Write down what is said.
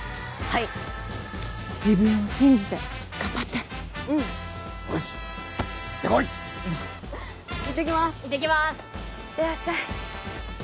いってらっしゃい。